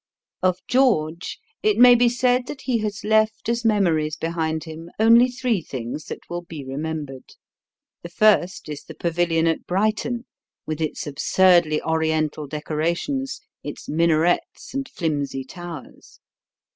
Of George it may be said that he has left as memories behind him only three things that will be remembered. The first is the Pavilion at Brighton, with its absurdly oriental decorations, its minarets and flimsy towers.